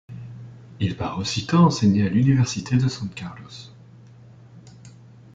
Il part aussitôt enseigner à l'université de San Carlos.